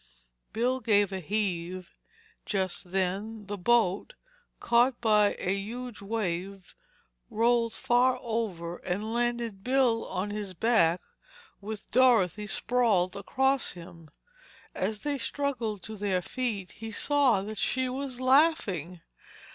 Bill gave a heave and just then the boat, caught by a huge wave, rolled far over and landed Bill on his back with Dorothy sprawled across him. As they struggled to their feet he saw that she was laughing.